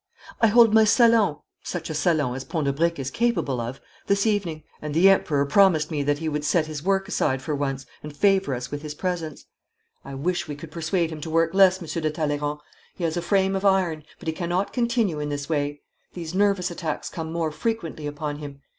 'I hold my salon such a salon as Pont de Briques is capable of this evening, and the Emperor promised me that he would set his work aside for once, and favour us with his presence. I wish we could persuade him to work less, Monsieur de Talleyrand. He has a frame of iron, but he cannot continue in this way. These nervous attacks come more frequently upon him.